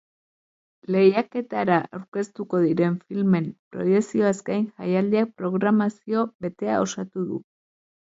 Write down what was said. Lehiaketara aurkeztuko diren filmen proiekzioaz gain, jaialdiak programazio betea osatu du.